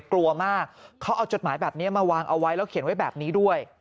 กลัวมากเขาเอาจดหมายแบบนี้มาวางเอาไว้แล้วเขียนไว้แบบนี้ด้วย